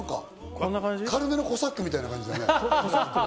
軽めのコサックみたいな感じだね。